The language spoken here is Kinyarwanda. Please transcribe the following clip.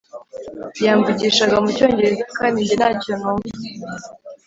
Yamvugishaga mu cyongereza kandi njye ntacyo numva